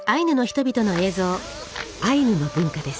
アイヌの文化です。